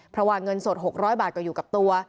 เพราะว่าเงินสด๖๐๐บาทก็อยู่กับตัว